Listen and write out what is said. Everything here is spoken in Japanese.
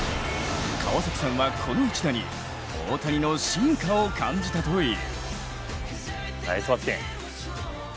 川崎さんはこの一打に大谷の進化を感じたという。